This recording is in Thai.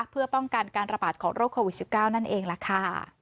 เพื่อป้องกันการระบาดของโรคโควิด๑๙นั่นเองล่ะค่ะ